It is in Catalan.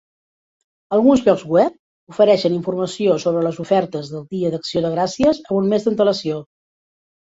Alguns llocs web ofereixen informació sobre les ofertes del dia d'acció de gràcies amb un mes d'antelació.